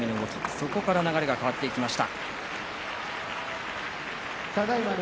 そこから流れが変わりました。